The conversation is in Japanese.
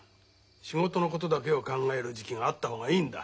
仕事のことだけを考える時期があった方がいいんだ。